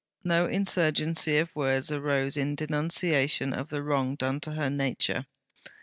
No insurgency of words arose in denunciation of the wrong done to her nature.